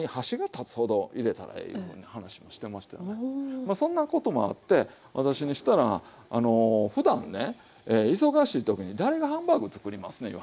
まあそんなこともあって私にしたらふだんね忙しい時に誰がハンバーグ作りますねんいう話です。